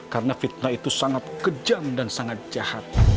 karena fitnah itu sangat kejam dan sangat jahat